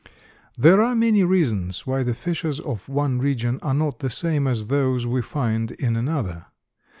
There are many reasons why the fishes of one region are not the same as those we find in another.